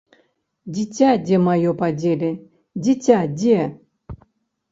Дзіця дзе маё падзелі, дзіця дзе?